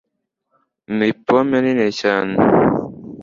ni pome nini cyane